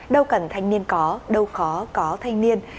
đâu cần thanh niên có đâu khó có thanh niên